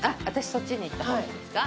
そっちに行ったほうがいいですか？